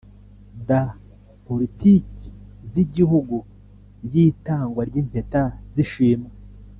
d) Politiki y’Igihugu y’Itangwa ry’impeta z’ishimwe